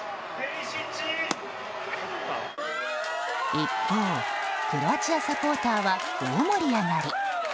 一方、クロアチアサポーターは大盛り上がり。